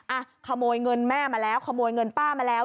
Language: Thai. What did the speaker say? อ่ะขโมยเงินแม่มาแล้วขโมยเงินป้ามาแล้ว